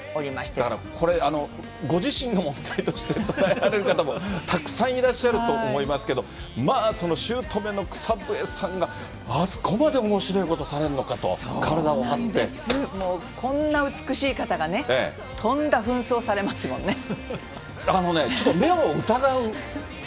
だからこれ、ご自身の問題として考えてる方もたくさんいらっしゃると思いますけども、まあそのしゅうとめの草笛さんが、あすこまでおもしろいことされるのかと、そうです、こんな美しい方がね、あのね、ちょっと目を疑う。